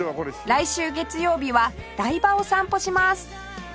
来週月曜日は台場を散歩します